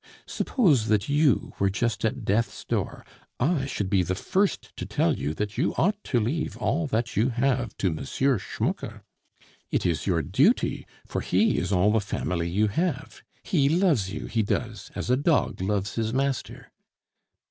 Suppose that you were just at death's door, I should be the first to tell you that you ought to leave all that you have to M. Schmucke. It is your duty, for he is all the family you have. He loves you, he does, as a dog loves his master."